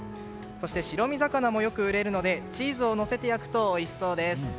白身魚もよく売れるのでチーズをのせて焼くとおいしそうです。